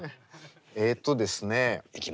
えっとですね